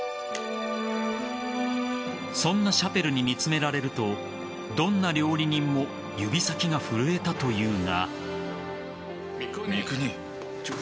そんなシャペルに見つめられるとどんな料理人も指先が震えたというが。